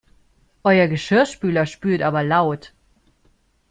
Euer Geschirrspüler spült aber laut!